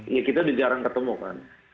ya kita udah jarang ketemu kan